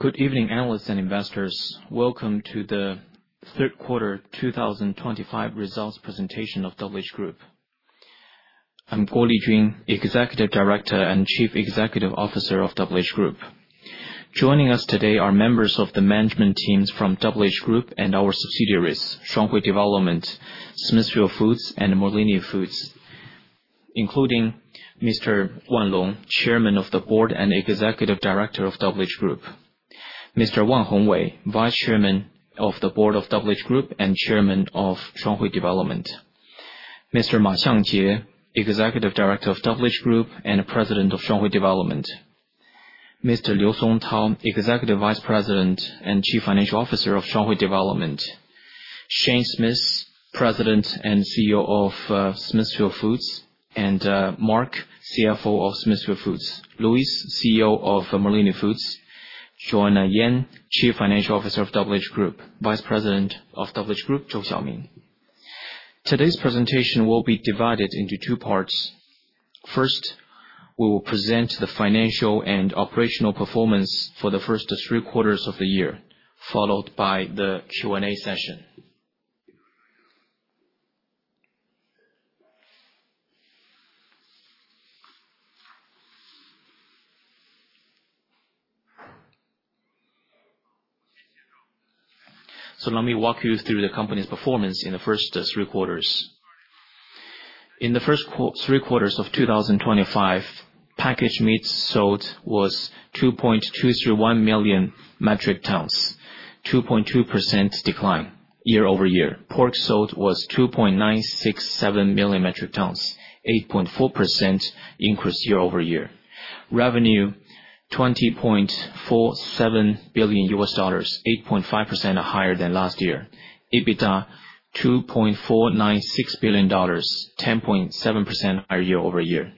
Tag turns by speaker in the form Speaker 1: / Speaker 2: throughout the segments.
Speaker 1: Good evening, analysts and investors. Welcome to the third quarter 2025 results presentation of WH Group. I'm Guo Lijun, Executive Director and Chief Executive Officer of WH Group. Joining us today are members of the management teams from WH Group and our subsidiaries, Shuanghui Development, Smithfield Foods, and Campofrio Foods, including Mr. Wan Long, Chairman of the Board and Executive Director of WH Group; Mr. Wan Hongwei, Vice Chairman of the Board of WH Group and Chairman of Shuanghui Development; Mr. Ma Xiangjie, Executive Director of WH Group and President of Shuanghui Development; Mr. Liu Songtao, Executive Vice President and Chief Financial Officer of Shuanghui Development; Shane Smith, President and CEO of Smithfield Foods; Mark, CFO of Smithfield Foods; Luis, CEO of Campofrio Foods; Joanna Yan, Chief Financial Officer of WH Group; and Zhou Xiaoming, Vice President of WH Group. Today's presentation will be divided into two parts. First, we will present the financial and operational performance for the first three quarters of the year, followed by the Q&A session. Let me walk you through the company's performance in the first three quarters. In the first three quarters of 2025, packaged meat sold was 2.231 million metric tons, a 2.2% decline year over year. Pork sold was 2.967 million metric tons, an 8.4% increase year over year. Revenue: $20.47 billion, 8.5% higher than last year. EBITDA: $2.496 billion, 10.7% higher year over year.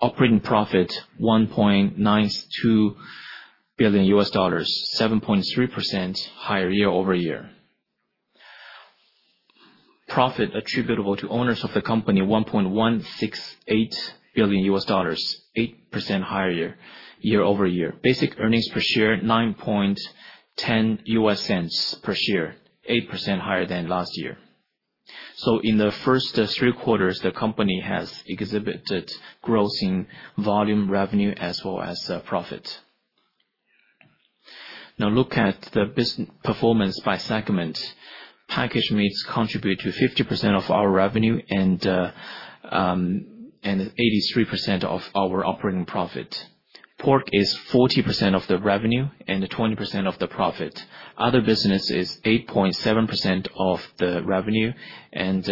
Speaker 1: Operating profit: $1.92 billion, 7.3% higher year over year. Profit attributable to owners of the company: $1.168 billion, 8% higher year over year. Basic earnings per share: 9.10 US cents per share, 8% higher than last year. In the first three quarters, the company has exhibited growth in volume, revenue, as well as profit. Looking at the business performance by segment, packaged meats contribute 50% of our revenue and 83% of our operating profit. Pork is 40% of the revenue and 20% of the profit. Other business is 8.7% of the revenue and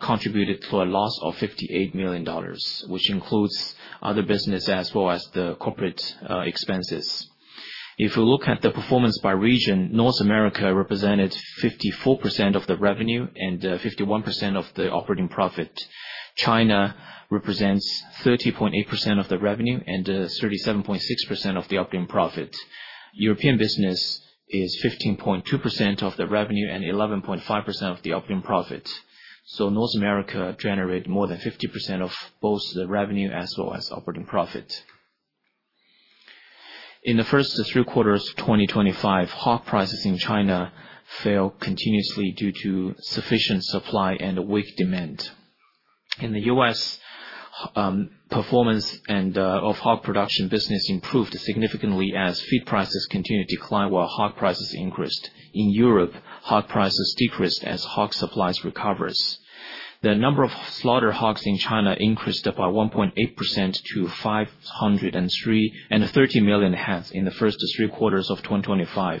Speaker 1: contributed to a loss of $58 million, which includes other business as well as the corporate expenses. Looking at the performance by region, North America represented 54% of the revenue and 51% of the operating profit. China represents 30.8% of the revenue and 37.6% of the operating profit. European business is 15.2% of the revenue and 11.5% of the operating profit. North America generated more than 50% of both the revenue as well as operating profit. In the first three quarters of 2025, hog prices in China fell continuously due to sufficient supply and weak demand. In the US, performance of hog production business improved significantly as feed prices continued to decline, while hog prices increased.In Europe, hog prices decreased as hog supplies recovered. The number of slaughter hogs in China increased by 1.8% to 530 million heads in the first three quarters of 2025.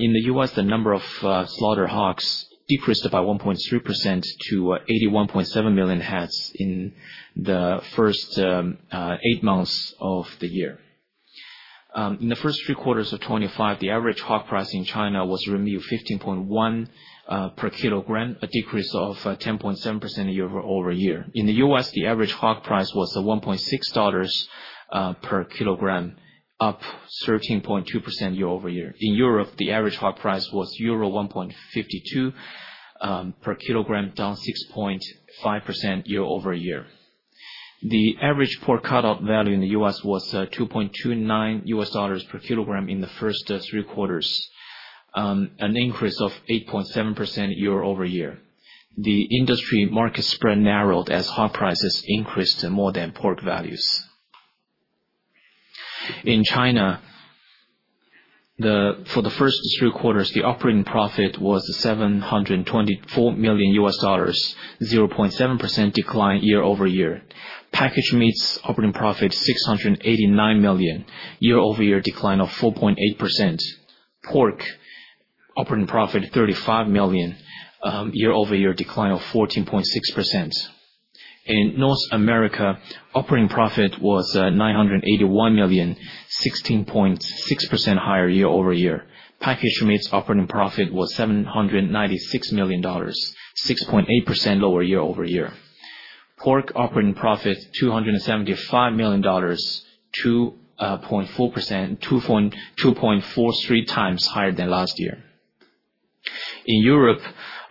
Speaker 1: In the US, the number of slaughter hogs decreased by 1.3% to 81.7 million heads in the first eight months of the year. In the first three quarters of 2025, the average hog price in China was 15.1 per kilogram, a decrease of 10.7% year over year. In the US, the average hog price was $1.6 per kilogram, up 13.2% year over year. In Europe, the average hog price was €1.52 per kilogram, down 6.5% year over year. The average pork cut-out value in the US was $2.29 per kilogram in the first three quarters, an increase of 8.7% year over year. The industry market spread narrowed as hog prices increased more than pork values. In China, for the first three quarters, the operating profit was $724 million, a 0.7% decline year over year. Packaged meats operating profit: $689 million, year over year decline of 4.8%. Pork operating profit: $35 million, year over year decline of 14.6%. In North America, operating profit was $981 million, 16.6% higher year over year. Packaged meats operating profit was $796 million, 6.8% lower year over year. Pork operating profit: $275 million, 2.43 times higher than last year. In Europe,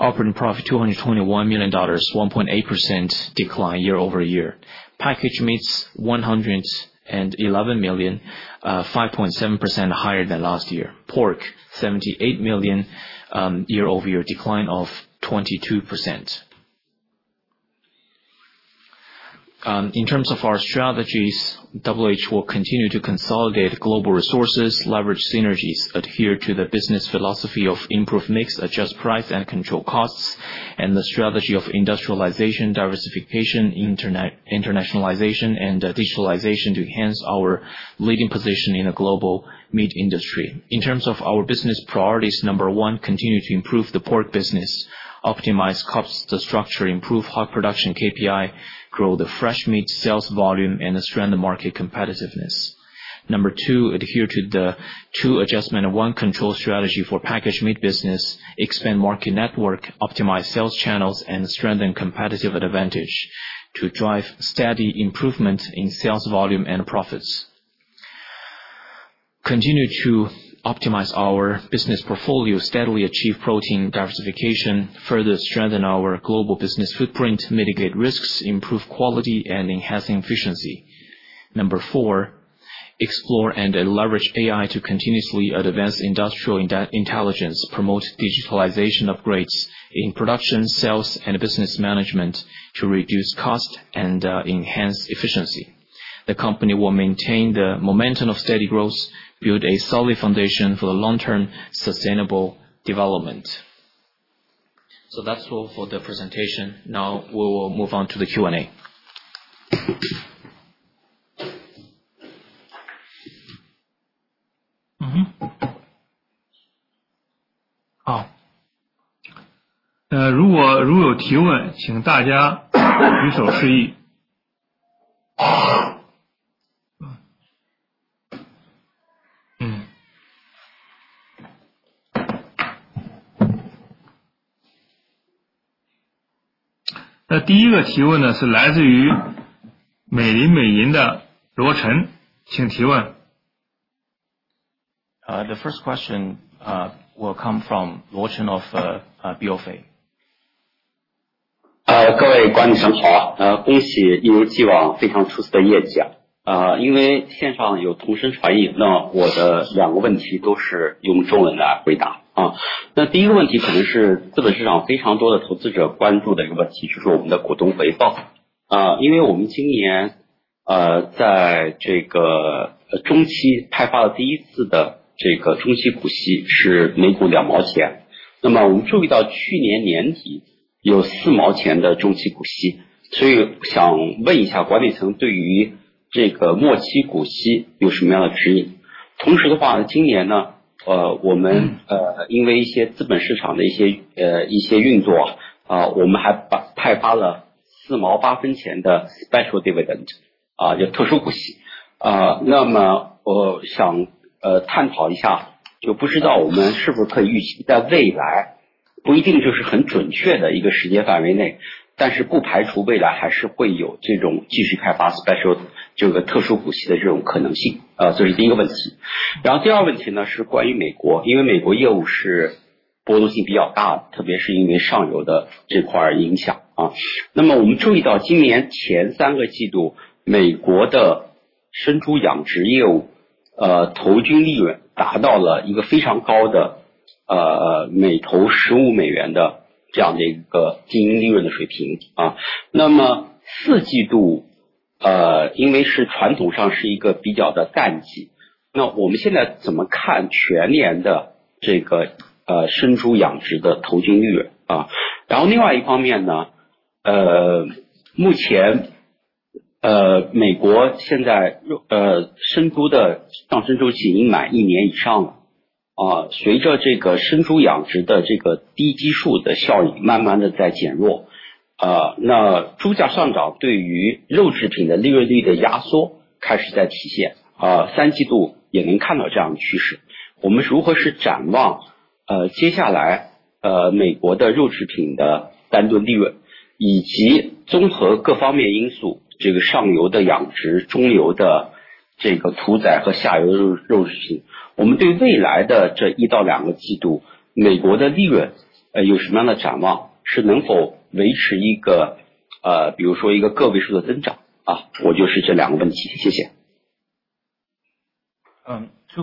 Speaker 1: operating profit: $221 million, 1.8% decline year over year. Packaged meats: $111 million, 5.7% higher than last year. Pork: $78 million, year over year decline of 22%. In terms of our strategies, WH will continue to consolidate global resources, leverage synergies, adhere to the business philosophy of improve mix, adjust price, and control costs, and the strategy of industrialization, diversification, internationalization, and digitalization to enhance our leading position in the global meat industry. In terms of our business priorities: Number one, continue to improve the pork business, optimize cost structure, improve hog production KPI, grow the fresh meat sales volume, and strengthen market competitiveness. Number two, adhere to the two adjustment and one control strategy for packaged meat business, expand market network, optimize sales channels, and strengthen competitive advantage to drive steady improvement in sales volume and profits. Continue to optimize our business portfolio, steadily achieve protein diversification, further strengthen our global business footprint, mitigate risks, improve quality, and enhance efficiency. Number four, explore and leverage AI to continuously advance industrial intelligence, promote digitalization upgrades in production, sales, and business management to reduce cost and enhance efficiency. The company will maintain the momentum of steady growth, build a solid foundation for long-term sustainable development. That's all for the presentation. We will move on to the Q&A.
Speaker 2: 好。如果有提问，请大家举手示意。第一个提问是来自于美林美银的罗晨，请提问。
Speaker 3: The first question will come from Luochen of BofA.
Speaker 1: Two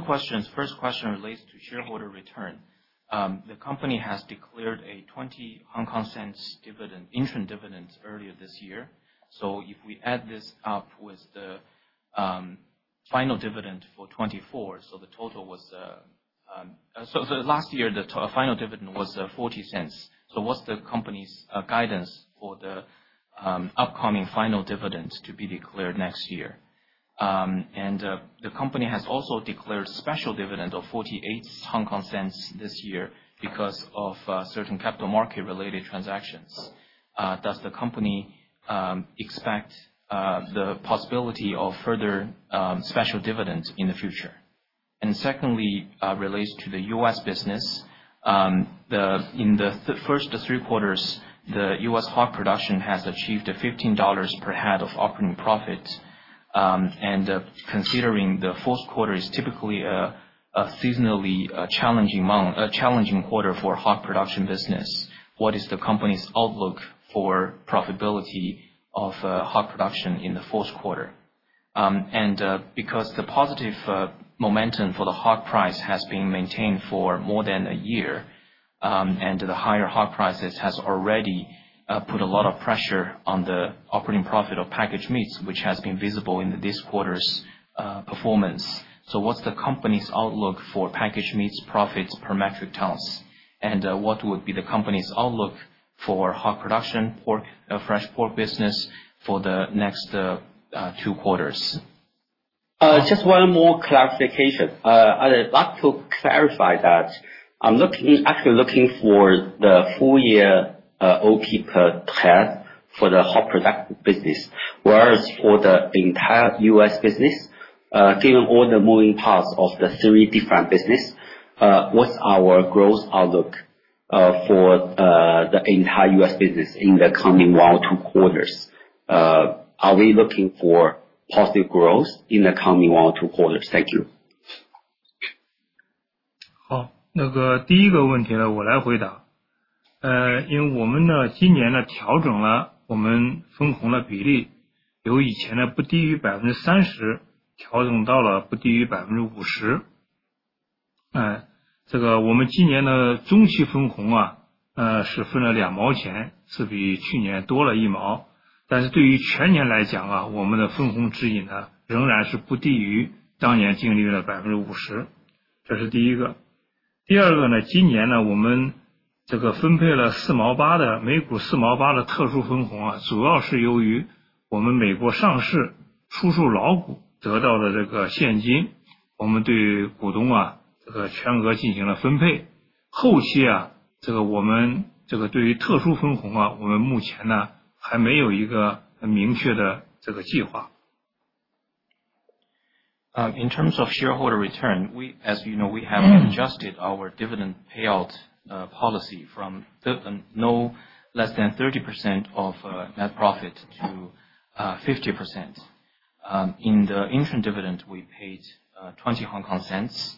Speaker 1: questions. First question relates to shareholder return. The company has declared a HK$0.20 interim dividend earlier this year. If we add this up with the final dividend for 2024, the total was... last year the final dividend was HK$0.40. What's the company's guidance for the upcoming final dividend to be declared next year? The company has also declared special dividend of HK$0.48 this year because of certain capital market-related transactions. Does the company expect the possibility of further special dividend in the future? Secondly, relates to the US business. In the first three quarters, the US hog production has achieved $15 per head of operating profit. Considering the fourth quarter is typically a seasonally challenging quarter for hog production business, what is the company's outlook for profitability of hog production in the fourth quarter? Because the positive momentum for the hog price has been maintained for more than a year, and the higher hog prices have already put a lot of pressure on the operating profit of packaged meats, which has been visible in this quarter's performance. What's the company's outlook for packaged meats profits per metric ton? What would be the company's outlook for hog production, pork, fresh pork business for the next two quarters?
Speaker 4: Just one more clarification. I'd like to clarify that I'm actually looking for the full year operating profit per head for the hog production business, whereas for the entire US business, given all the moving parts of the three different businesses, what's our growth outlook for the entire US business in the coming one or two quarters? Are we looking for positive growth in the coming one or two quarters? Thank you.
Speaker 5: In terms of shareholder return, as you know, we have adjusted our dividend payout policy from no less than 30% of net profit to 50%. In the interim dividend, we paid HK$0.20,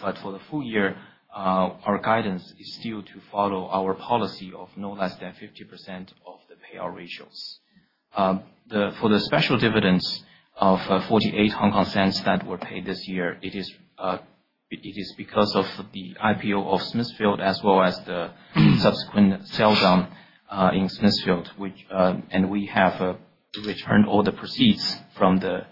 Speaker 5: but for the full year, our guidance is still to follow our policy of no less than 50% of the payout ratios. For the special dividends of HK$0.48 that were paid this year, it is because of the IPO of Smithfield as well as the subsequent sell down in Smithfield, and we have returned all the proceeds from the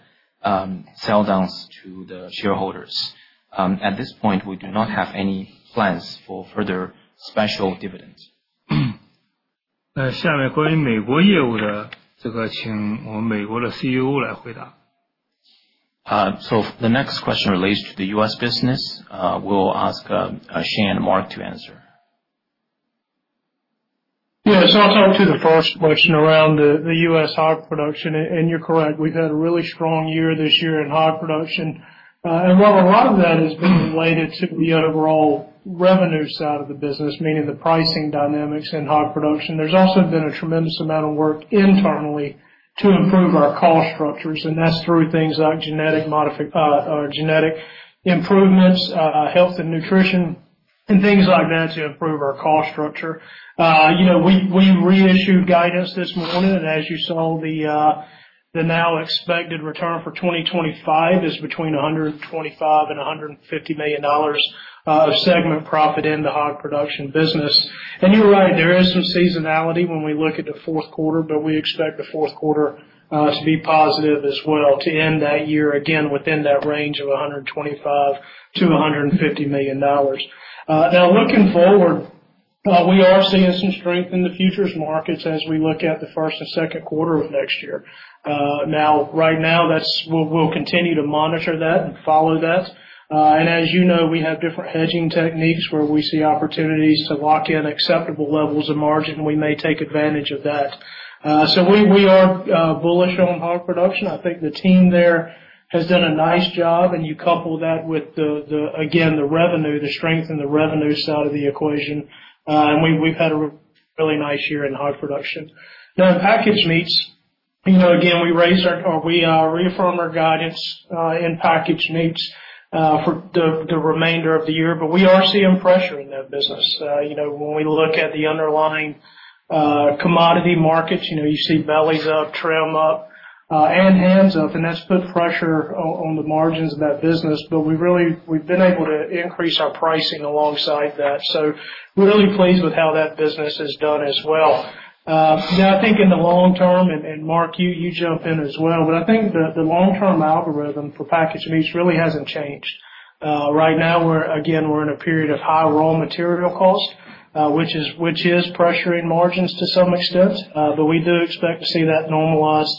Speaker 5: sell downs to the shareholders. At this point, we do not have any plans for further special dividends.
Speaker 2: 下面关于美国业务的，请我们美国的CEO来回答。
Speaker 1: The next question relates to the US business. We'll ask Shane and Mark to answer.
Speaker 6: So I'll talk to the first question around the U.S. hog production, and you're correct. We've had a really strong year this year in hog production. While a lot of that has been related to the overall revenue side of the business, meaning the pricing dynamics in hog production, there's also been a tremendous amount of work internally to improve our cost structures, and that's through things like genetic improvements, health and nutrition, and things like that to improve our cost structure. We reissued guidance this morning, and as you saw, the now expected return for 2025 is between $125 and $150 million of segment profit in the hog production business. You're right, there is some seasonality when we look at the fourth quarter, but we expect the fourth quarter to be positive as well to end that year again within that range of $125 to $150 million. Looking forward, we are seeing some strength in the futures markets as we look at the first and second quarter of next year. Right now, we'll continue to monitor that and follow that. As you know, we have different hedging techniques where we see opportunities to lock in acceptable levels of margin, and we may take advantage of that. We are bullish on hog production. I think the team there has done a nice job, and you couple that with, again, the strength in the revenue side of the equation, and we've had a really nice year in hog production. In packaged meats, again, we reaffirm our guidance in packaged meats for the remainder of the year, but we are seeing pressure in that business. When we look at the underlying commodity markets, you see bellies up, trailing up, and hams up, and that's put pressure on the margins of that business, but we've been able to increase our pricing alongside that. We're really pleased with how that business has done as well. I think in the long term, and Mark, you jump in as well, but I think the long-term algorithm for packaged meats really hasn't changed. Right now, again, we're in a period of high raw material cost, which is pressuring margins to some extent, but we do expect to see that normalized,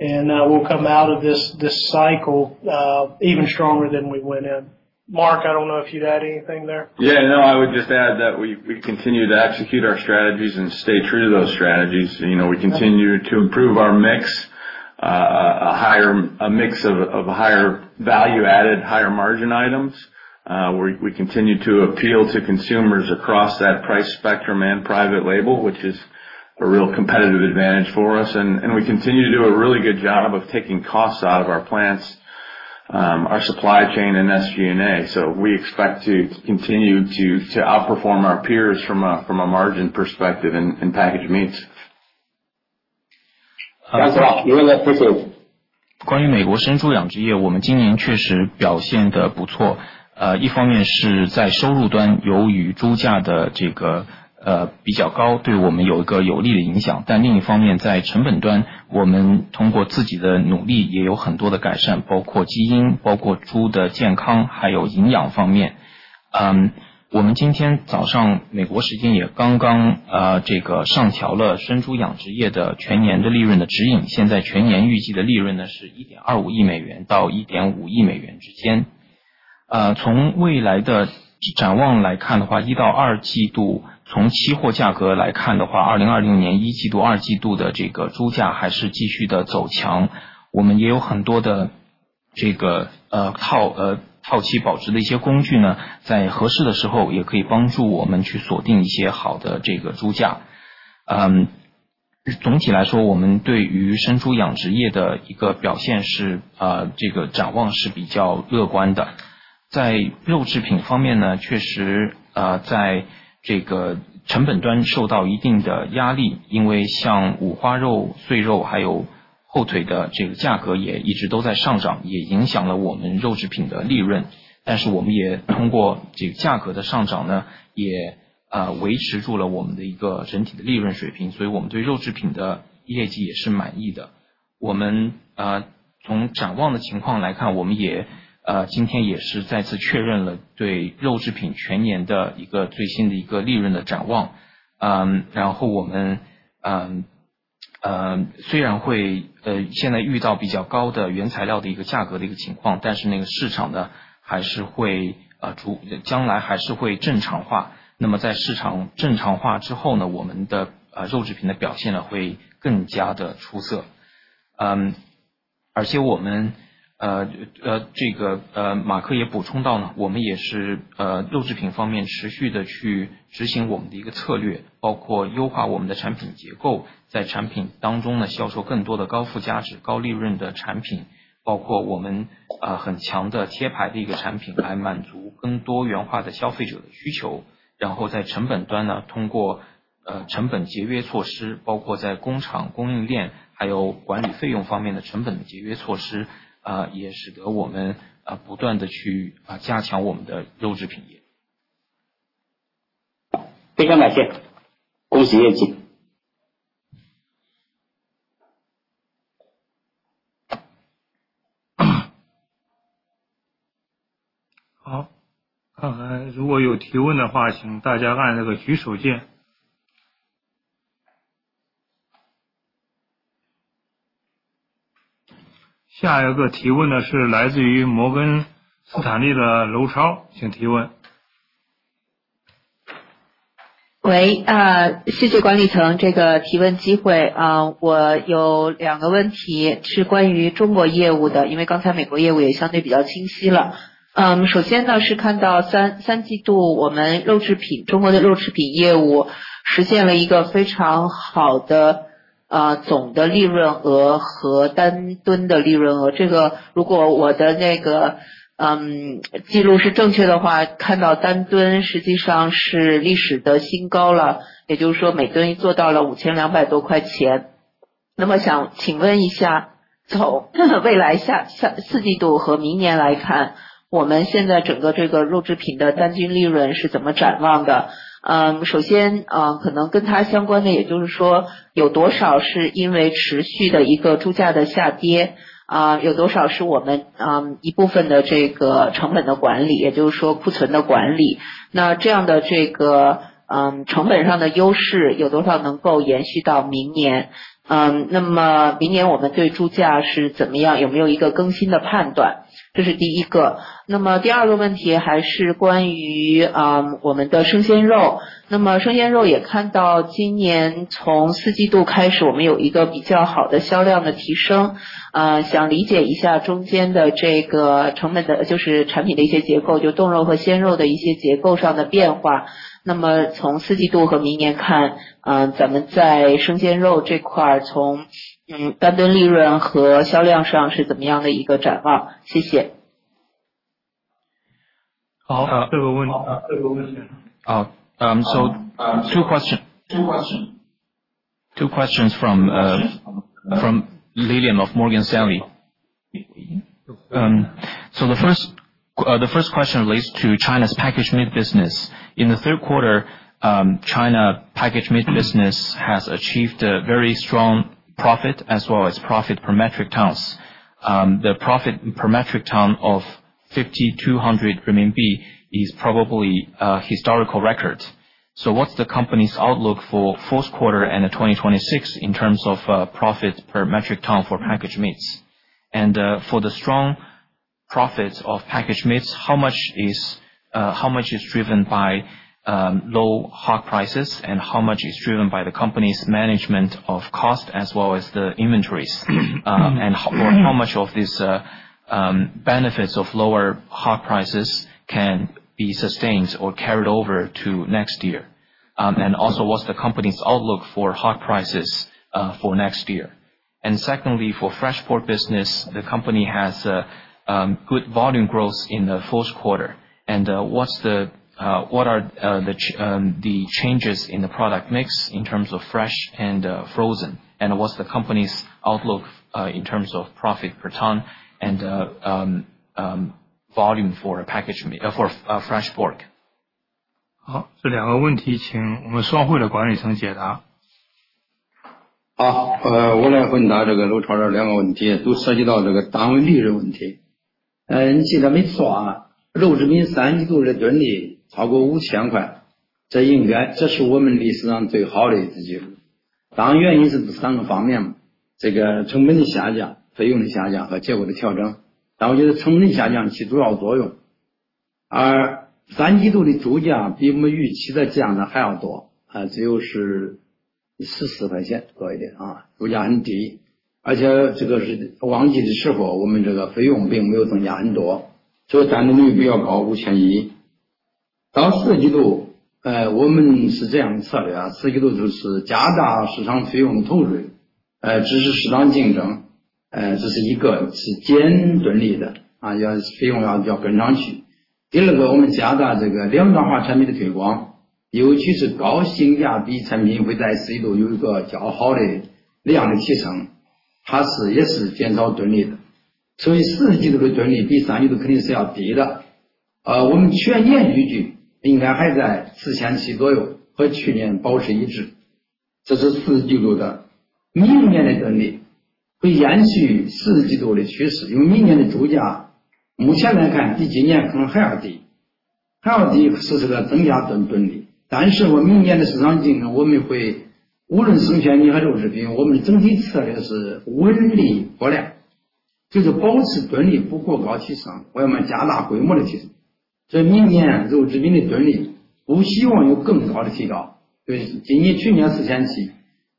Speaker 6: and we'll come out of this cycle even stronger than we went in. Mark, I don't know if you'd add anything there.
Speaker 7: Yeah. No, I would just add that we continue to execute our strategies and stay true to those strategies. We continue to improve our mix, a mix of higher value-added, higher margin items. We continue to appeal to consumers across that price spectrum and private label, which is a real competitive advantage for us. We continue to do a really good job of taking costs out of our plants, our supply chain, and SG&A. So we expect to continue to outperform our peers from a margin perspective in packaged meats.
Speaker 4: That's all. You're in the pitches. 非常感谢。恭喜业绩。
Speaker 2: 好。看看如果有提问的话，请大家按这个举手键。下一个提问是来自于摩根斯坦利的刘超，请提问。好。
Speaker 6: 这个问题。
Speaker 3: Two questions.
Speaker 6: Two questions.
Speaker 1: Two questions from Lilian of Morgan Stanley. The first question relates to China's packaged meat business. In the third quarter, China packaged meat business has achieved very strong profit as well as profit per metric tons. The profit per metric ton of ¥5,200 is probably a historical record. What's the company's outlook for fourth quarter and 2025 in terms of profit per metric ton for packaged meats? For the strong profits of packaged meats, how much is driven by low hog prices, and how much is driven by the company's management of cost as well as the inventories? How much of these benefits of lower hog prices can be sustained or carried over to next year? What's the company's outlook for hog prices for next year? Secondly, for fresh pork business, the company has good volume growth in the fourth quarter. What are the changes in the product mix in terms of fresh and frozen? What's the company's outlook in terms of profit per ton and volume for fresh pork? 好。这两个问题请我们双汇的管理层解答。
Speaker 4: 好。我来回答刘超的两个问题，都涉及到单位利润问题。你记得没错，肉制品三季度的盈利超过¥5,000，这是我们历史上最好的一次记录。当然原因是三个方面：成本的下降、费用的下降和结构的调整。但我觉得成本的下降起主要作用。三季度的猪价比我们预期的降得还要多，只有¥40多一点，猪价很低。而且这个是旺季的时候，我们这个费用并没有增加很多，所以单吨利润比较高，¥5,100。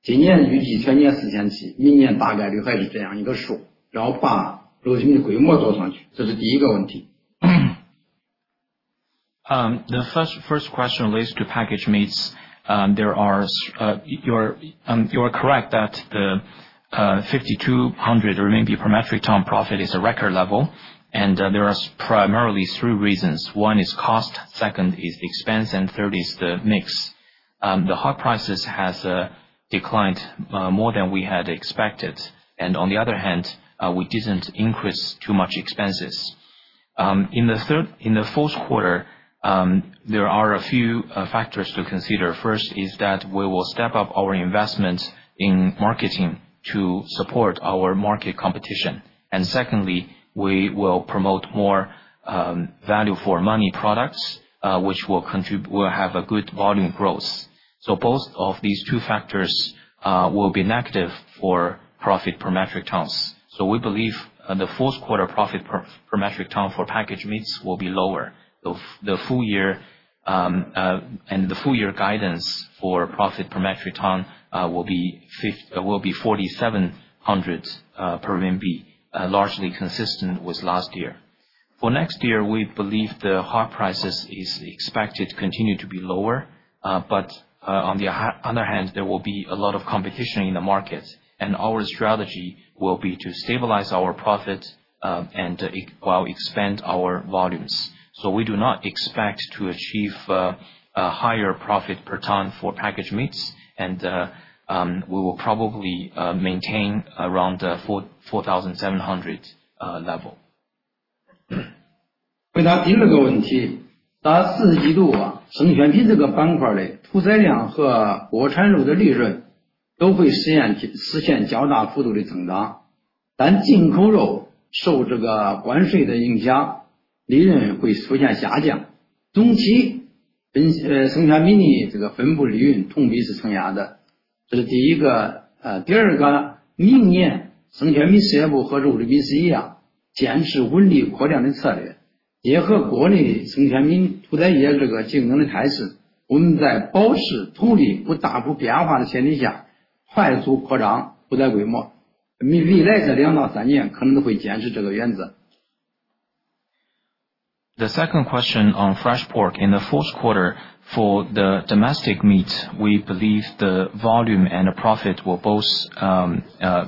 Speaker 1: The first question relates to packaged meats. You are correct that the ¥5,200 per metric ton profit is a record level, and there are primarily three reasons. One is cost, second is expense, and third is the mix. The hog prices have declined more than we had expected, and on the other hand, we didn't increase too much expenses. In the fourth quarter, there are a few factors to consider. First is that we will step up our investment in marketing to support our market competition. Secondly, we will promote more value-for-money products, which will have good volume growth. Both of these two factors will be negative for profit per metric tons. We believe the fourth quarter profit per metric ton for packaged meats will be lower. The full year guidance for profit per metric ton will be ¥4,700 per MT, largely consistent with last year. For next year, we believe the hog prices are expected to continue to be lower, but on the other hand, there will be a lot of competition in the market, and our strategy will be to stabilize our profit while expanding our volumes. We do not expect to achieve a higher profit per ton for packaged meats, and we will probably maintain around ¥4,700 level.
Speaker 2: The second question on fresh pork. In the fourth quarter, for the domestic meat, we believe the volume and the profit will both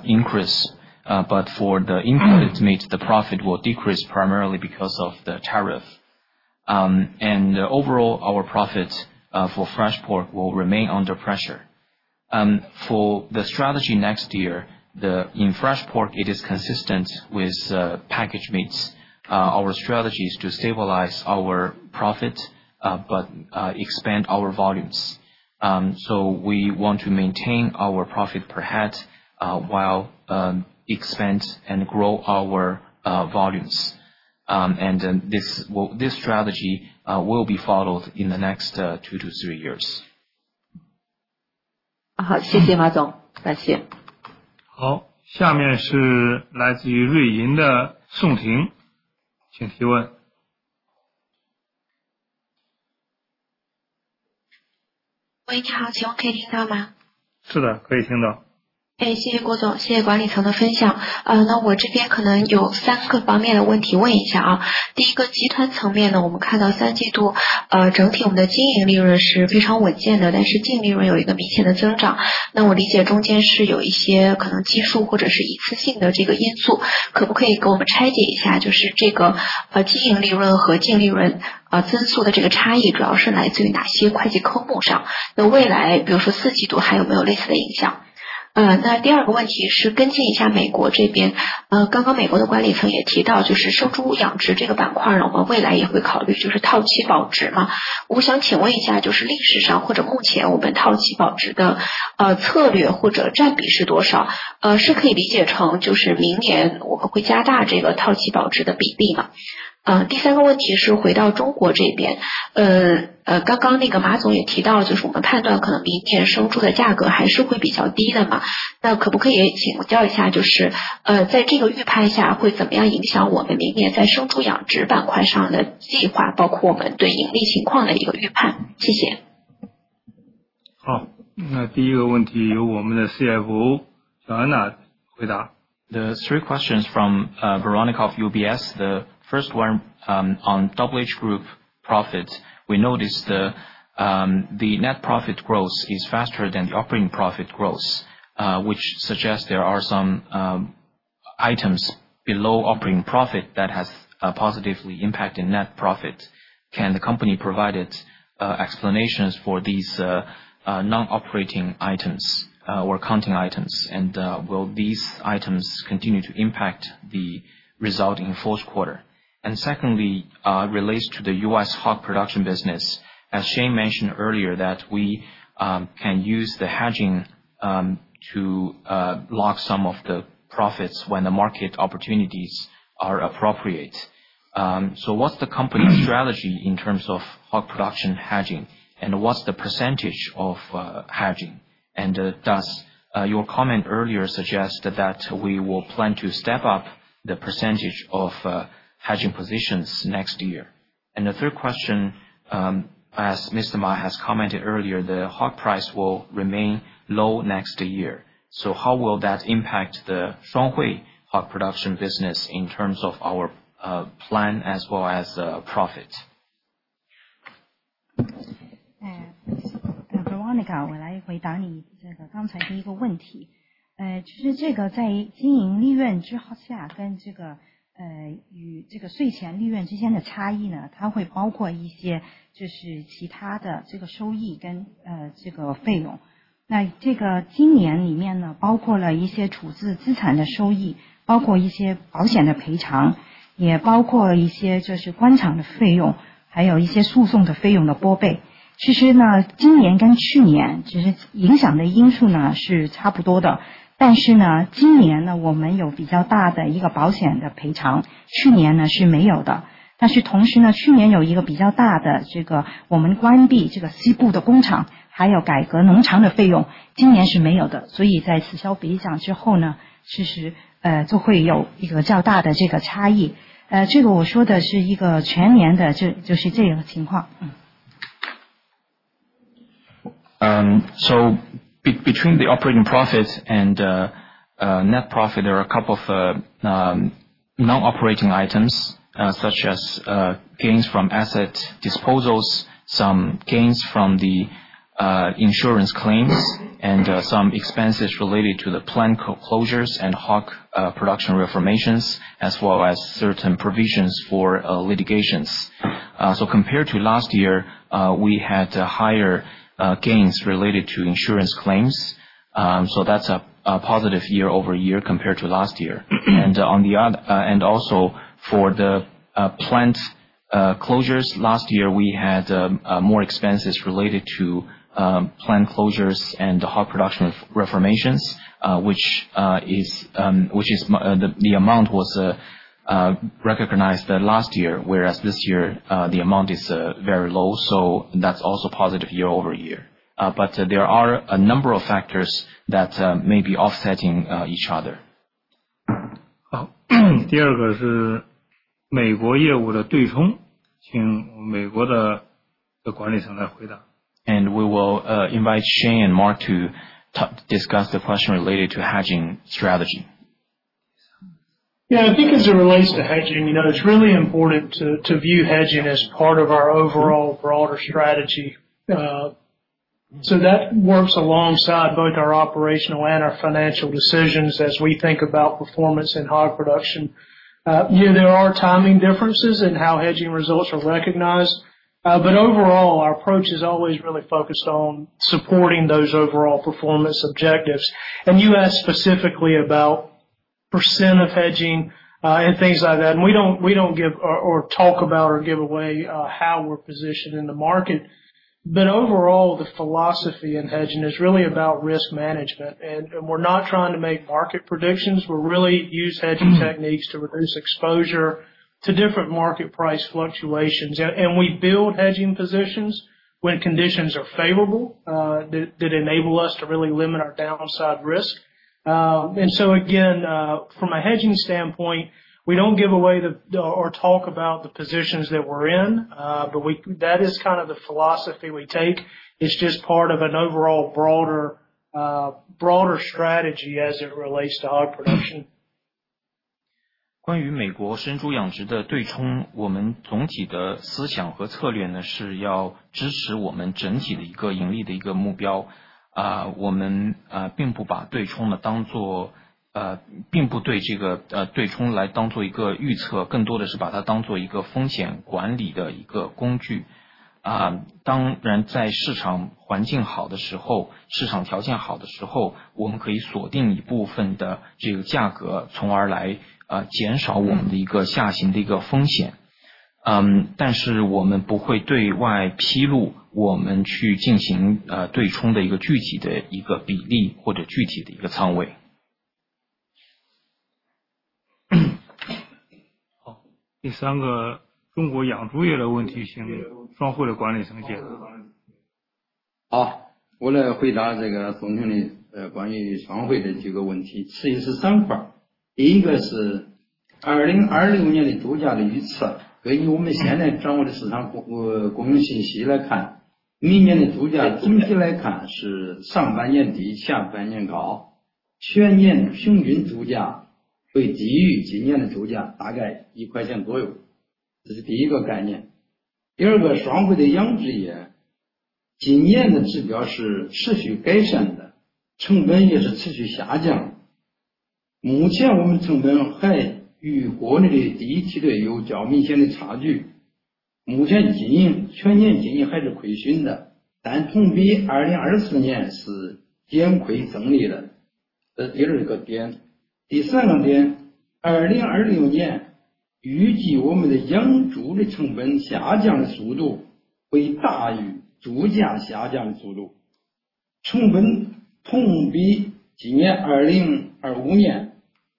Speaker 2: increase, but for the imported meat, the profit will decrease primarily because of the tariff. Overall, our profit for fresh pork will remain under pressure. For the strategy next year, in fresh pork, it is consistent with packaged meats. Our strategy is to stabilize our profit but expand our volumes. We want to maintain our profit per head while expand and grow our volumes. This strategy will be followed in the next two to three years.
Speaker 1: 好，谢谢马总，感谢。
Speaker 2: 好，下面是来自于瑞银的宋婷，请提问。喂，你好，请问可以听到吗？ 是的，可以听到。第三个问题是回到中国这边，刚刚马总也提到，就是我们判断可能明年生猪的价格还是会比较低的，那可不可以请教一下就是在这个预判下会怎么样影响我们明年在生猪养殖板块上的计划，包括我们对盈利情况的一个预判？谢谢。好，那第一个问题由我们的CFO小安娜回答。
Speaker 1: The three questions from Veronica of UBS. The first one on WH Group profit. We noticed the net profit growth is faster than the operating profit growth, which suggests there are some items below operating profit that have positively impacted net profit. Can the company provide explanations for these non-operating items or accounting items, and will these items continue to impact the result in fourth quarter? Secondly, relates to the US hog production business. As Shane mentioned earlier, we can use the hedging to lock some of the profits when the market opportunities are appropriate. What's the company's strategy in terms of hog production hedging, and what's the percentage of hedging? Your comment earlier suggests that we will plan to step up the percentage of hedging positions next year. The third question, as Mr. Mai has commented earlier, the hog price will remain low next year. How will that impact the Shuanghui hog production business in terms of our plan as well as profit?
Speaker 8: 好，Veronica，我来回答你刚才第一个问题。就是这个在经营利润之下跟税前利润之间的差异，它会包括一些其他的收益跟费用。那这个今年里面包括了一些处置资产的收益，包括一些保险的赔偿，也包括一些诉讼的费用，还有一些诉讼的费用的拨备。其实今年跟去年影响的因素是差不多的，但是今年我们有比较大的一个保险的赔偿，去年是没有的。但是同时去年有一个比较大的我们关闭西部的工厂，还有改革农场的费用，今年是没有的。所以在此消彼长之后，就会有一个较大的差异。这个我说的是一个全年的情况。
Speaker 1: Between the operating profit and net profit, there are a couple of non-operating items such as gains from asset disposals, some gains from the insurance claims, and some expenses related to the plant closures and hog production reformations, as well as certain provisions for litigations. Compared to last year, we had higher gains related to insurance claims. That's a positive year over year compared to last year. Also for the plant closures, last year we had more expenses related to plant closures and hog production reformations, which is the amount was recognized last year, whereas this year the amount is very low. That's also positive year over year. But there are a number of factors that may be offsetting each other. 第二个是美国业务的对冲，请美国的管理层来回答。We will invite Shane and Mark to discuss the question related to hedging strategy.
Speaker 6: I think as it relates to hedging, it's really important to view hedging as part of our overall broader strategy. That works alongside both our operational and our financial decisions as we think about performance in hog production. There are timing differences in how hedging results are recognized, but overall, our approach is always really focused on supporting those overall performance objectives. You asked specifically about % of hedging and things like that, and we don't give or talk about or give away how we're positioned in the market. But overall, the philosophy in hedging is really about risk management, and we're not trying to make market predictions. We really use hedging techniques to reduce exposure to different market price fluctuations. We build hedging positions when conditions are favorable that enable us to really limit our downside risk. From a hedging standpoint, we don't give away or talk about the positions that we're in, but that is kind of the philosophy we take. It's just part of an overall broader strategy as it relates to hog production.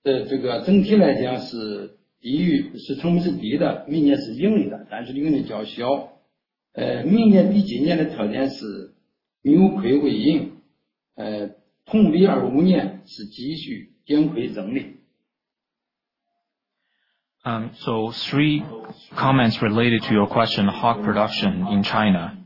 Speaker 3: Three comments related to your question, hog production in China.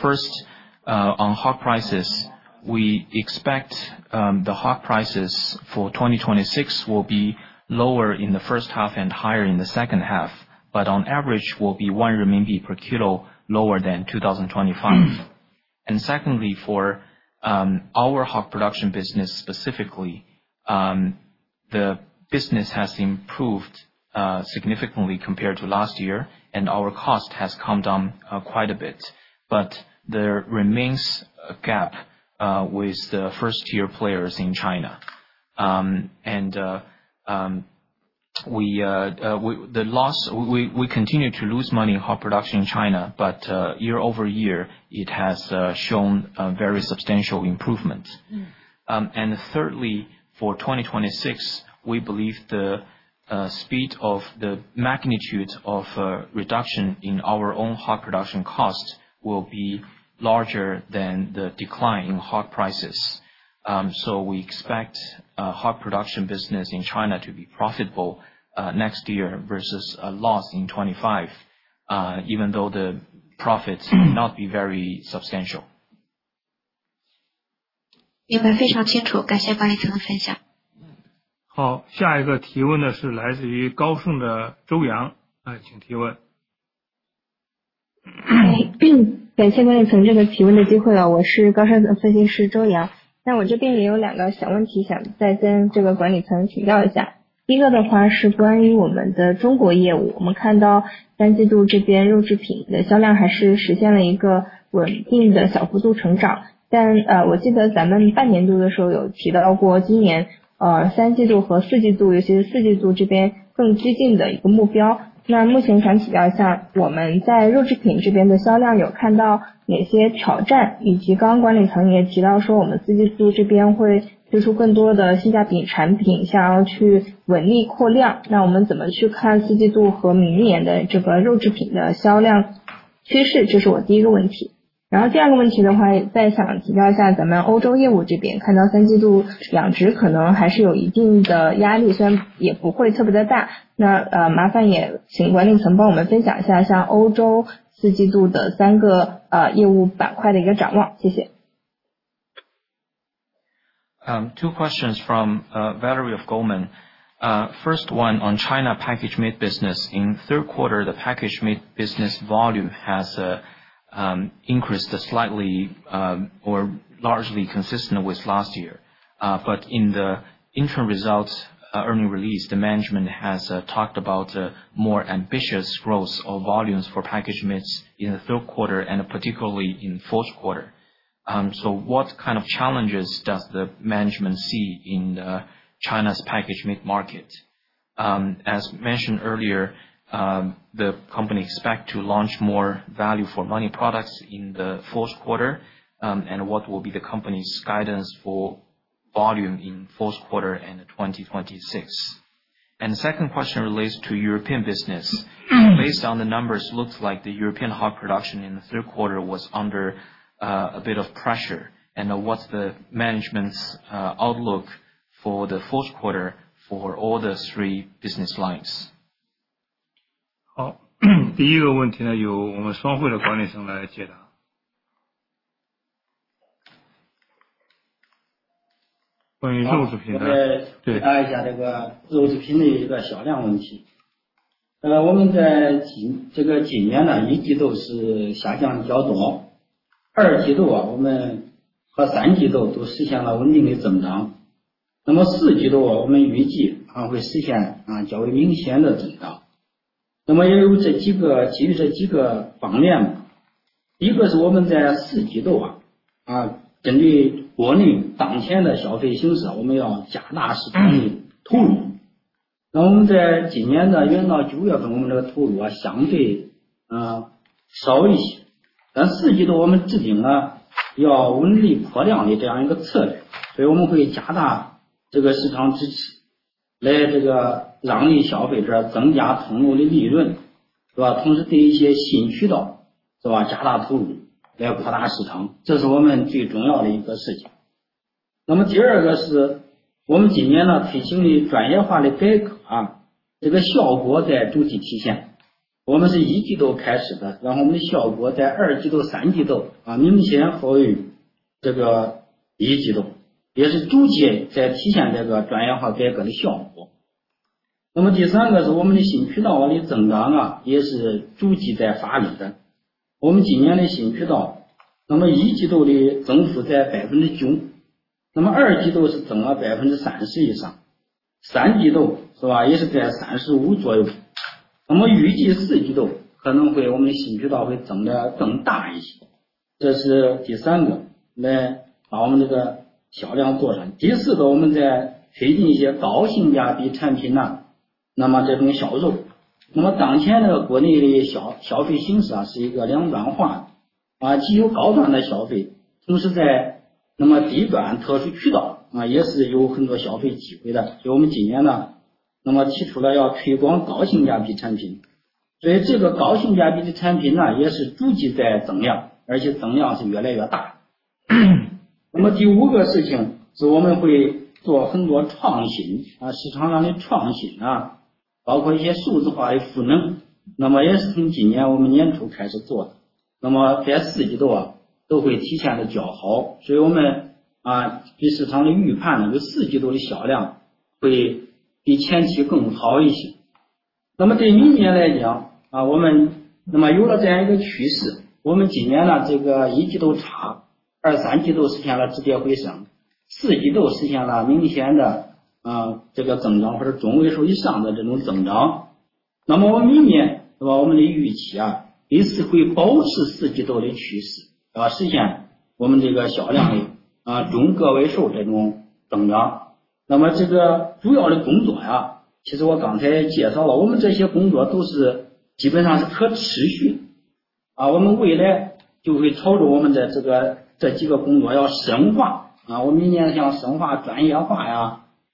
Speaker 3: First, on hog prices, we expect the hog prices for 2026 will be lower in the first half and higher in the second half, but on average will be ¥1 per kilo lower than 2025. Secondly, for our hog production business specifically, the business has improved significantly compared to last year, and our cost has come down quite a bit, but there remains a gap with the first-tier players in China. We continue to lose money in hog production in China, but year over year it has shown very substantial improvements. Thirdly, for 2026, we believe the speed of the magnitude of reduction in our own hog production cost will be larger than the decline in hog prices. We expect hog production business in China to be profitable next year versus a loss in 2025, even though the profits may not be very substantial.
Speaker 2: 明白，非常清楚，感谢管理层的分享。好，下一个提问的是来自于高盛的周阳，请提问。
Speaker 1: Two questions from Valerie of Goldman. First one, on China package meat business, in third quarter the package meat business volume has increased slightly or largely consistent with last year. But in the interim results earning release, the management has talked about more ambitious growth of volumes for package meats in the third quarter and particularly in fourth quarter. So what kind of challenges does the management see in China's package meat market? As mentioned earlier, the company expects to launch more value for money products in the fourth quarter, and what will be the company's guidance for volume in fourth quarter and 2025? And the second question relates to European business. Based on the numbers, it looks like the European hog production in the third quarter was under a bit of pressure. And what's the management's outlook for the fourth quarter for all the three business lines?
Speaker 4: 好，第一个问题由我们双汇的管理层来解答。关于肉制品的。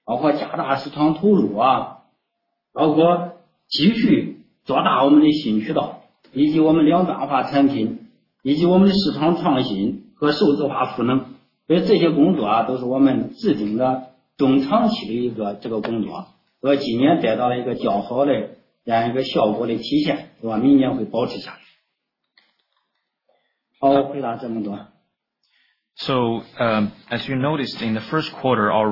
Speaker 3: 主要的工作，其实我刚才也介绍了，我们这些工作都是基本上是可持续的。我们未来就会朝着我们这几个工作要深化。我们明年想深化专业化，包括加大市场投入，包括继续做大我们的新渠道，以及我们两端化产品，以及我们的市场创新和数字化赋能。所以这些工作都是我们制定的中长期的一个工作，和今年得到了一个较好的这样一个效果的体现，明年会保持下去。好，回答这么多。
Speaker 1: As you noticed, in the first quarter, our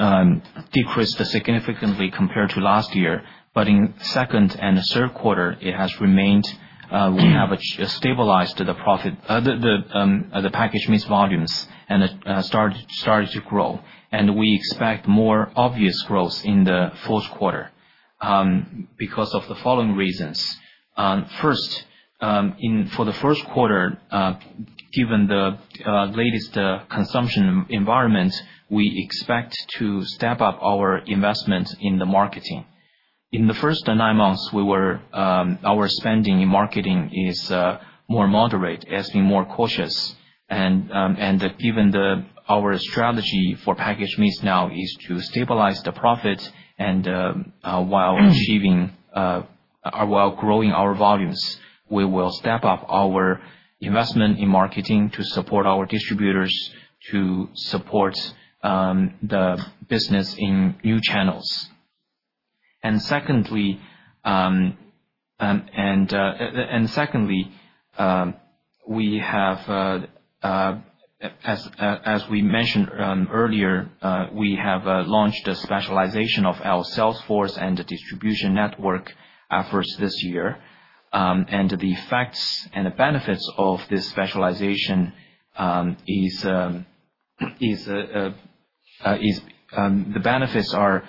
Speaker 1: volume has decreased significantly compared to last year, but in second and third quarter, it has remained; we have stabilized the package meat volumes and started to grow. We expect more obvious growth in the fourth quarter because of the following reasons. First, for the first quarter, given the latest consumption environment, we expect to step up our investment in the marketing. In the first nine months, our spending in marketing is more moderate, as being more cautious. Given our strategy for package meat now is to stabilize the profit, and while growing our volumes, we will step up our investment in marketing to support our distributors, to support the business in new channels. Secondly, we have, as we mentioned earlier, we have launched a specialization of our sales force and distribution network efforts this year. The effects and the benefits of this specialization is the benefits are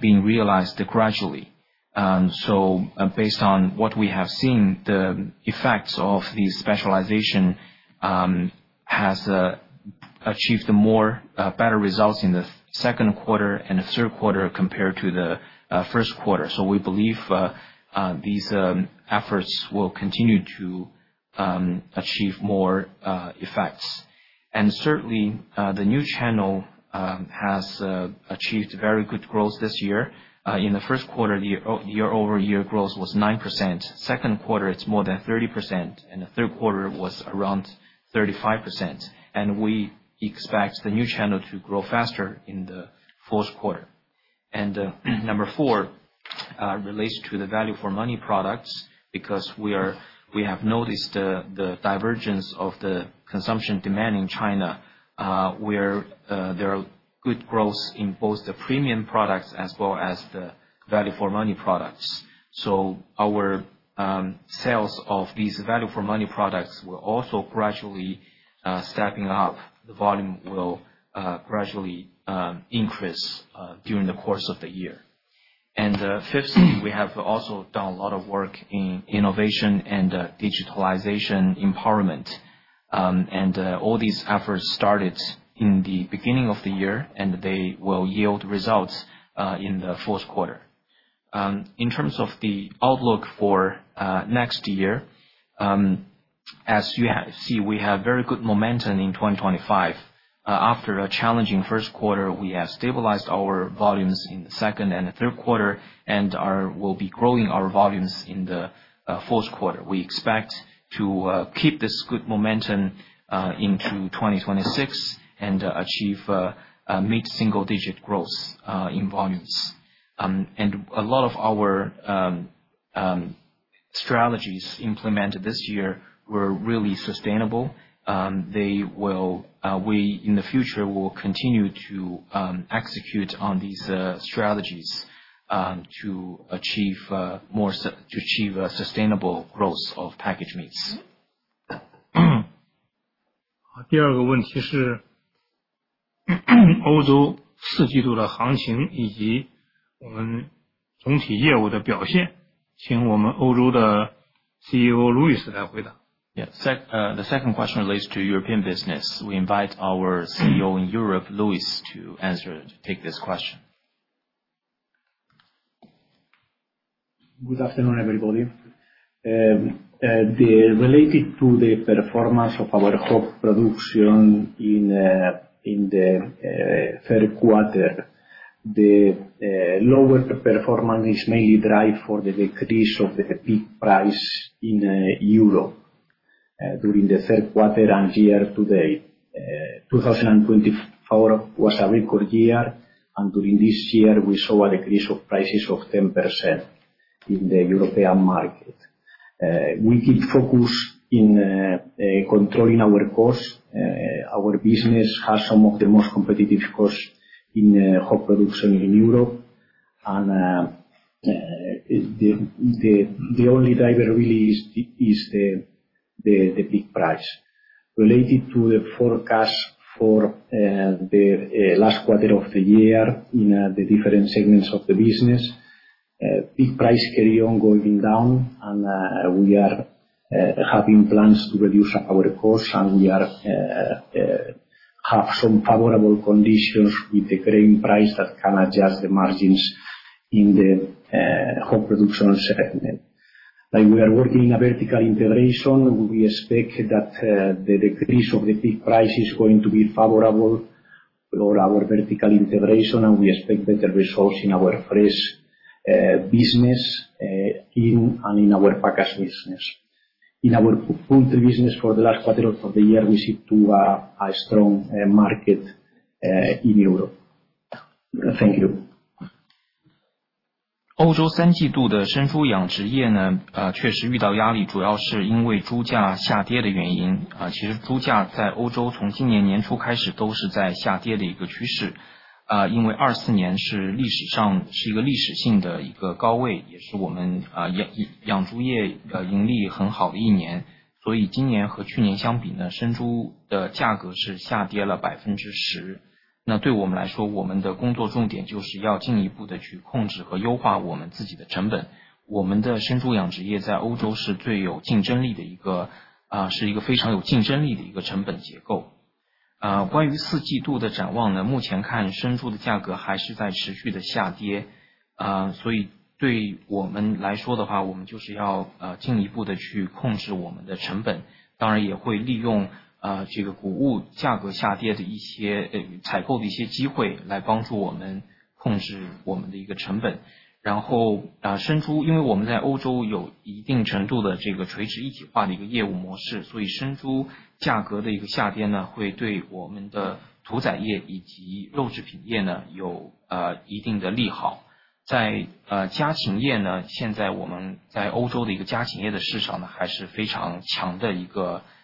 Speaker 1: being realized gradually. Based on what we have seen, the effects of the specialization has achieved better results in the second quarter and the third quarter compared to the first quarter. We believe these efforts will continue to achieve more effects. Certainly, the new channel has achieved very good growth this year. In the first quarter, the year-over-year growth was 9%. Second quarter, it's more than 30%, and the third quarter was around 35%. We expect the new channel to grow faster in the fourth quarter. Number four relates to the value for money products because we have noticed the divergence of the consumption demand in China, where there are good growths in both the premium products as well as the value for money products. Our sales of these value for money products will also gradually step up; the volume will gradually increase during the course of the year. Fifthly, we have also done a lot of work in innovation and digitalization empowerment. All these efforts started in the beginning of the year, and they will yield results in the fourth quarter. In terms of the outlook for next year, as you see, we have very good momentum in 2025. After a challenging first quarter, we have stabilized our volumes in the second and the third quarter, and we'll be growing our volumes in the fourth quarter. We expect to keep this good momentum into 2026 and achieve mid-single-digit growth in volumes. A lot of our strategies implemented this year were really sustainable. In the future, we will continue to execute on these strategies to achieve sustainable growth of package meats. 第二个问题是欧洲四季度的行情以及我们总体业务的表现。请我们欧洲的CEO Louis来回答。The second question relates to European business. We invite our CEO in Europe, Louis, to answer, to take this question.
Speaker 3: Good afternoon, everybody. Related to the performance of our hog production in the third quarter, the lower performance is mainly driven by the decrease of the pork price in Europe during the third quarter and year to date. 2024 was a record year, and during this year, we saw a decrease of prices of 10% in the European market. We keep focus in controlling our costs. Our business has some of the most competitive costs in hog production in Europe, and the only driver really is the pork price. Related to the forecast for the last quarter of the year in the different segments of the business, pork price continues going down, and we are having plans to reduce our costs, and we have some favorable conditions with the grain price that can adjust the margins in the hog production segment. We are working in a vertical integration. We expect that the decrease of the pork price is going to be favorable for our vertical integration, and we expect better results in our fresh business and in our packaged business. In our poultry business for the last quarter of the year, we see a strong market in Europe. Thank you. 在家禽业，现在我们在欧洲的一个家禽业的市场还是非常强的一个家禽业的一个市场环境。
Speaker 1: 非常清楚，谢谢管理层。
Speaker 4: 好。
Speaker 1: 下一个提问的是花旗的冯丹丹，请提问。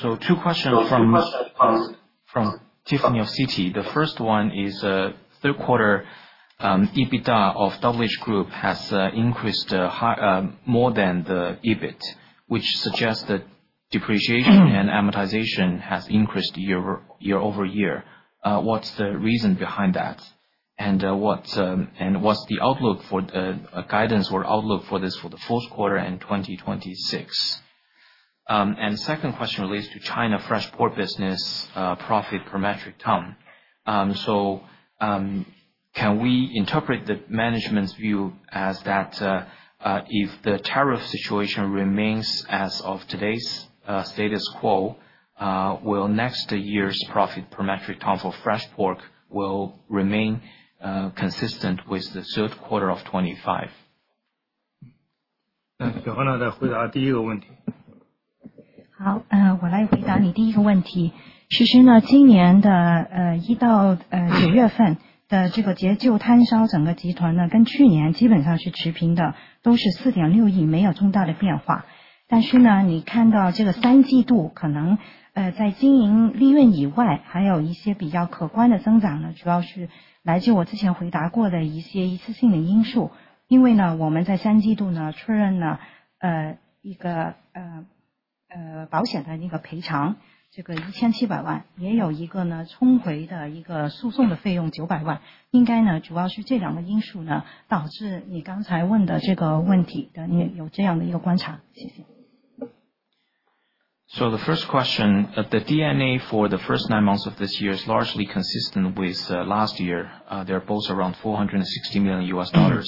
Speaker 1: Two questions from Tiffany of CT. The first one is third quarter EBITDA of Double H Group has increased more than the EBIT, which suggests that depreciation and amortization has increased year over year. What's the reason behind that? What's the guidance or outlook for this for the fourth quarter and 2026? Second question relates to China fresh pork business profit per metric ton. Can we interpret the management's view as that if the tariff situation remains as of today's status quo, will next year's profit per metric ton for fresh pork remain consistent with the third quarter of '25? The first question, the DNA for the first nine months of this year is largely consistent with last year. They're both around $460 million.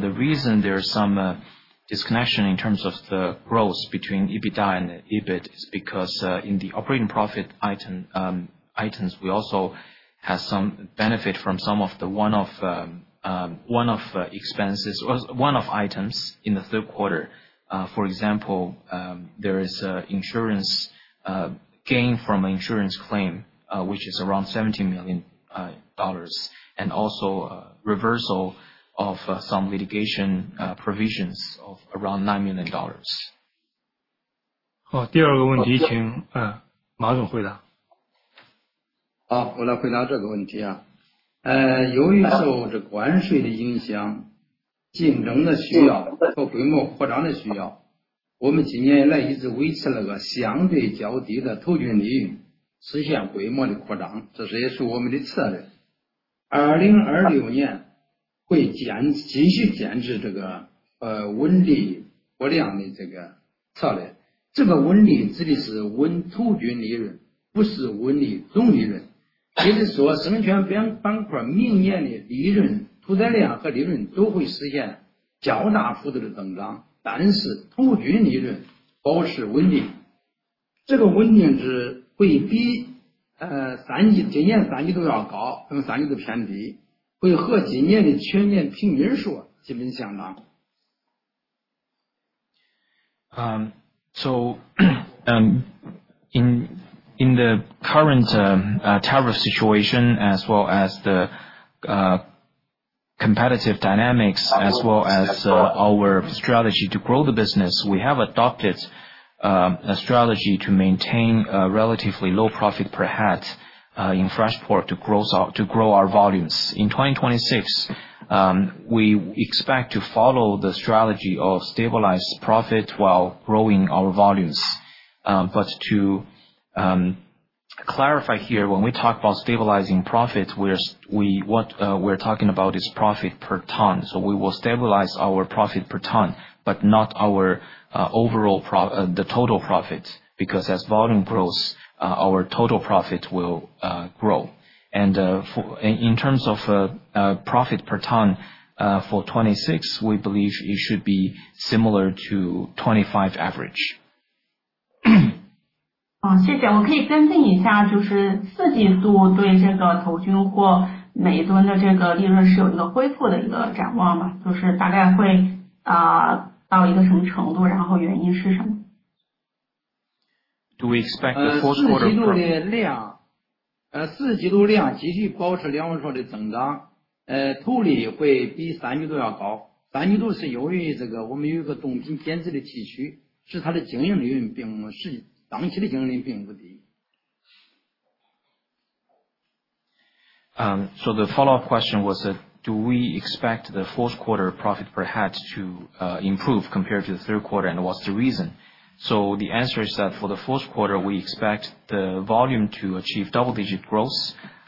Speaker 1: The reason there is some disconnection in terms of the growth between EBITDA and EBIT is because in the operating profit items, we also have some benefit from one-off expenses or one-off items in the third quarter. For example, there is insurance gain from an insurance claim, which is around $70 million, and also reversal of some litigation provisions of around $9 million. 第二个问题请马总回答。In the current tariff situation, as well as the competitive dynamics, as well as our strategy to grow the business, we have adopted a strategy to maintain a relatively low profit per head in fresh pork to grow our volumes. In 2026, we expect to follow the strategy of stabilized profit while growing our volumes. But to clarify here, when we talk about stabilizing profit, what we're talking about is profit per ton. We will stabilize our profit per ton, but not the total profit, because as volume grows, our total profit will grow. And in terms of profit per ton for '26, we believe it should be similar to '25 average.
Speaker 6: 谢谢。我可以跟进一下，就是四季度对这个投军或每吨的利润是有一个恢复的展望吗？就是大概会到一个什么程度，然后原因是什么？
Speaker 1: Do we expect the fourth quarter of 2026?
Speaker 3: 四季度量继续保持两位数的增长，盈利会比三季度要高。三季度是由于我们有一个资产减值的影响，所以它的经营利润并不是当期的经营利润并不低。
Speaker 1: The follow-up question was, do we expect the fourth quarter profit per head to improve compared to the third quarter, and what's the reason? The answer is that for the fourth quarter, we expect the volume to achieve double-digit growth,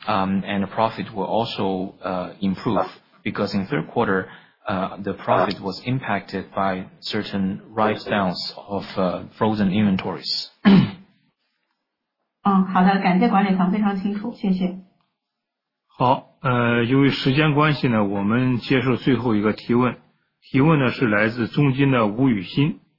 Speaker 1: and the profit will also improve, because in third quarter, the profit was impacted by certain write-downs of frozen inventories.
Speaker 6: 好的，感谢管理层非常清楚，谢谢。
Speaker 2: 好，由于时间关系，我们接受最后一个提问。提问是来自中金的吴雨欣，请提问。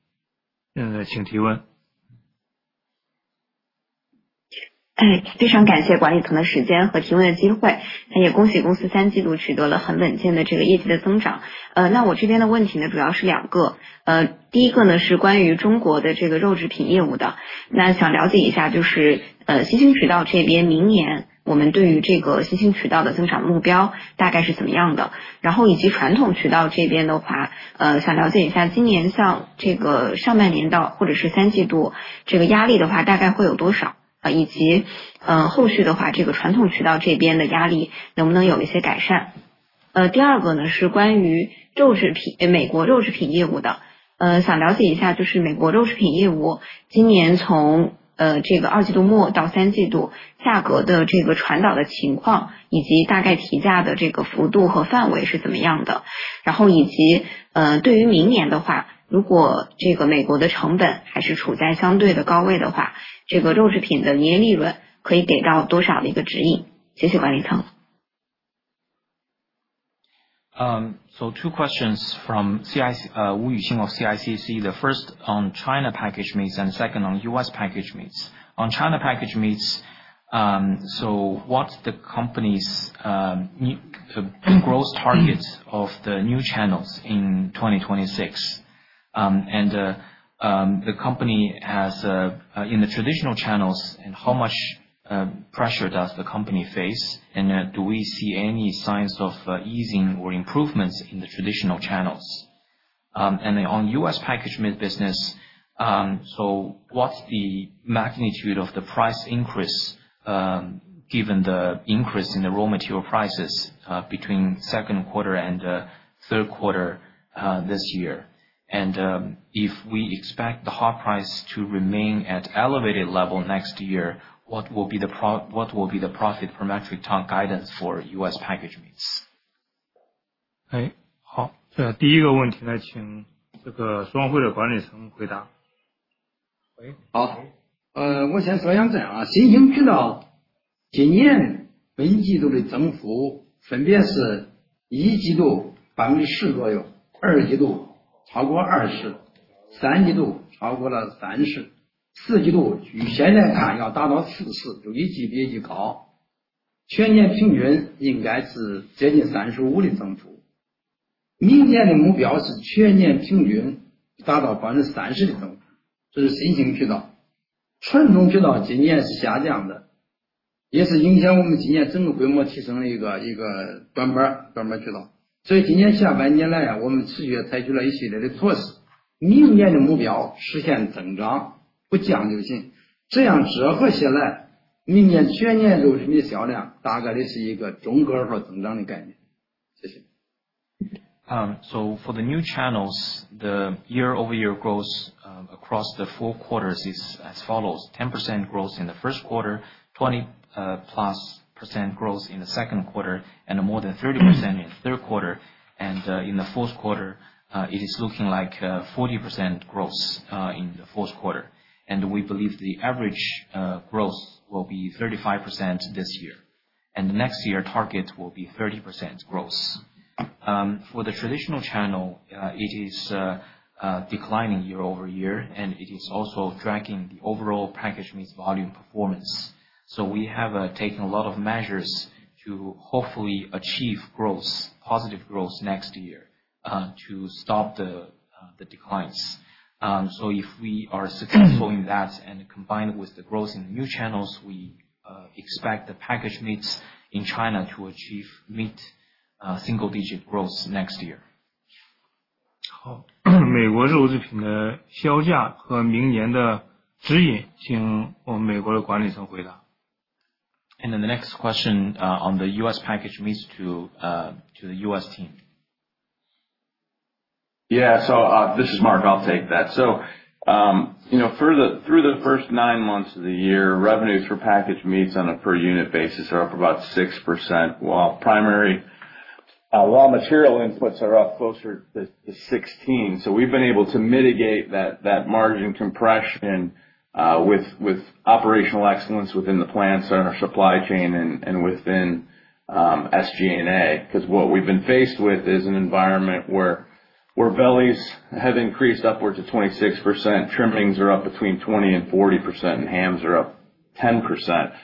Speaker 2: Two questions from Wu Yuxin of CICC. The first on China packaged meats and second on US packaged meats. On China packaged meats, what's the company's growth target of the new channels in 2026? The company has in the traditional channels, and how much pressure does the company face? Do we see any signs of easing or improvements in the traditional channels? On US packaged meat business, what's the magnitude of the price increase given the increase in the raw material prices between second quarter and third quarter this year? If we expect the hog price to remain at elevated level next year, what will be the profit per metric ton guidance for US packaged meats?
Speaker 1: 好，第一个问题请双汇的管理层回答。For the new channels, the year-over-year growth across the four quarters is as follows: 10% growth in the first quarter, 20%+ growth in the second quarter, and more than 30% in the third quarter. In the fourth quarter, it is looking like 40% growth in the fourth quarter. We believe the average growth will be 35% this year. Next year target will be 30% growth. For the traditional channel, it is declining year-over-year, and it is also dragging the overall package meat volume performance. We have taken a lot of measures to hopefully achieve positive growth next year to stop the declines. If we are successful in that and combine with the growth in the new channels, we expect the package meats in China to achieve meat single-digit growth next year. 美国肉制品的销价和明年的指引，请我们美国的管理层回答。The next question on the US package meats to the US team.
Speaker 3: So this is Mark, I'll take that. Through the first nine months of the year, revenues for package meats on a per unit basis are up about 6%, while raw material inputs are up closer to 16%. We've been able to mitigate that margin compression with operational excellence within the plants, our supply chain, and within SG&A, because what we've been faced with is an environment where bellies have increased upwards of 26%, trimmings are up between 20% and 40%, and hams are up 10%.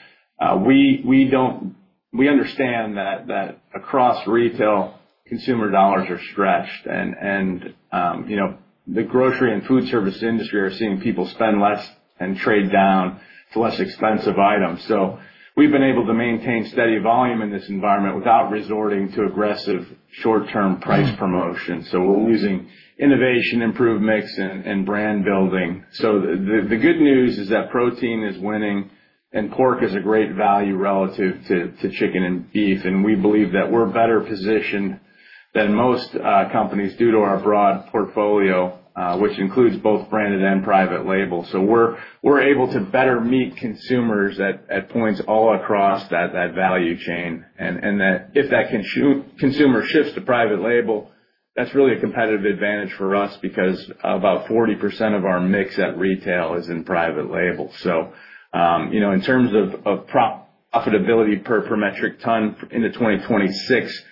Speaker 3: We understand that across retail, consumer dollars are stretched, and the grocery and food service industry are seeing people spend less and trade down to less expensive items. We've been able to maintain steady volume in this environment without resorting to aggressive short-term price promotions. We're using innovation, improved mix, and brand building. The good news is that protein is winning, and pork is a great value relative to chicken and beef. We believe that we're better positioned than most companies due to our broad portfolio, which includes both branded and private label. We're able to better meet consumers at points all across that value chain. If that consumer shifts to private label, that's really a competitive advantage for us because about 40% of our mix at retail is in private label. In terms of profitability per metric ton in 2026,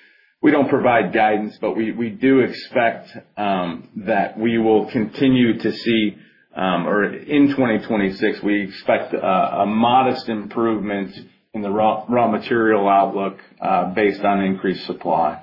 Speaker 3: we don't provide guidance, but we do expect that we will continue to see, or in 2026, we expect a modest improvement in the raw material outlook based on increased supply.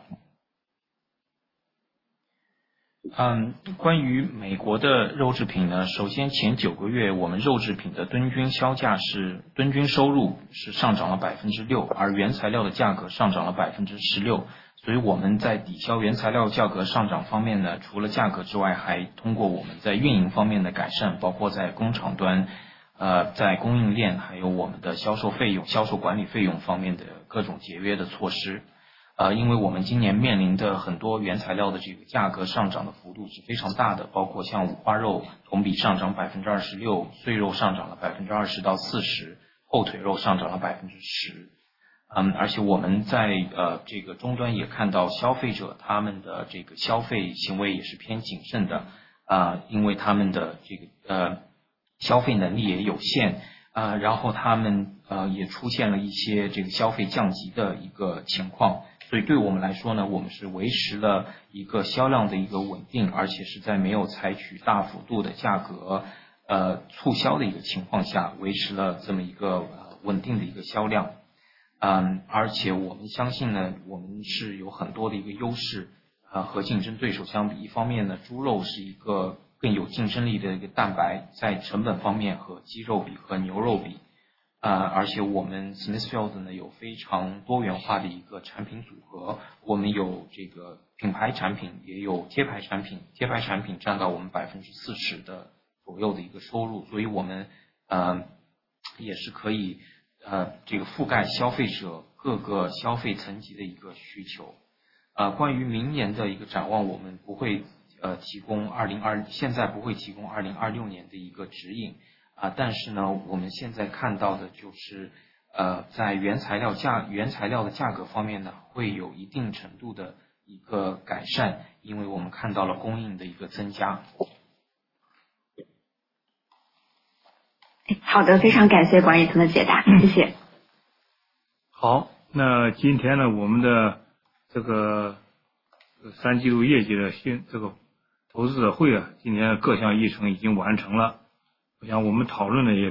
Speaker 1: Now we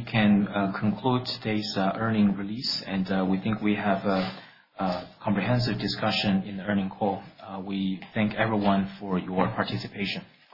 Speaker 1: can conclude today's earnings release, and we think we have a comprehensive discussion in the earnings call. We thank everyone for your participation.